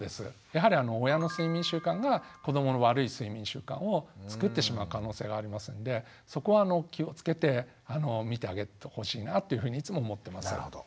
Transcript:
やはり親の睡眠習慣が子どもの悪い睡眠習慣を作ってしまう可能性がありますのでそこは気をつけてみてあげてほしいなというふうにいつも思ってます。